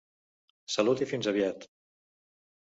Salut i fins aviat!